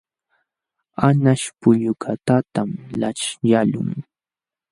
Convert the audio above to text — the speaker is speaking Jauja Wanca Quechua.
Anqaśh pullukatata laćhyaqlun.